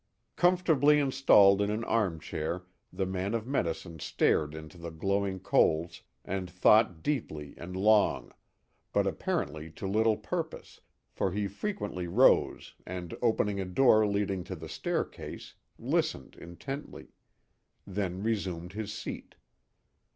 Comfortably installed in an armchair the man of medicine stared into the glowing coals and thought deeply and long, but apparently to little purpose, for he frequently rose and opening a door leading to the staircase, listened intently; then resumed his seat.